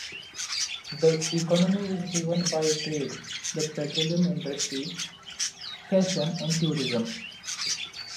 The economy is driven by trade, the petroleum industry, fashion, and tourism.